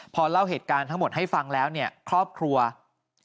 พอเล่าเหตุการณ์ทั้งหมดให้ฟังแล้วเนี่ยครอบครัว